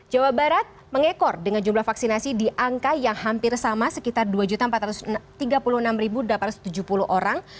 jawa barat mengekor dengan jumlah vaksinasi di angka yang hampir sama sekitar dua empat ratus tiga puluh enam delapan ratus tujuh puluh orang